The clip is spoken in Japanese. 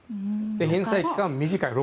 で、返済期間が短い。